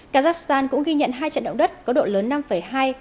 kazakhstan cũng ghi nhận hai trận động đất có độ lớn năm hai và năm ba sau ít giờ